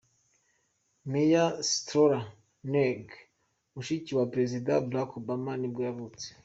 Maya Soetoro-Ng, mushiki wa perezida Barack Obama nibwo yavutse.